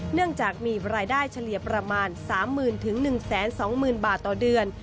เนื่องจากมีรายได้เฉลี่ยประมาณสามหมื่นถึงหนึ่งแสนสองหมื่นบาทต่อเดือน